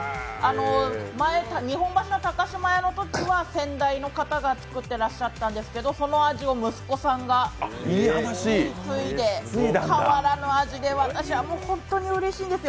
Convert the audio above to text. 前、日本橋高島屋のときは先代の方が作っていらっしゃったんですけど、その味を息子さんが引き継いで、変わらぬ味で私は本当にうれしいんですよ。